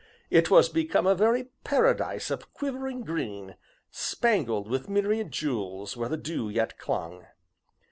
it was become a very paradise of quivering green, spangled with myriad jewels where the dew yet clung.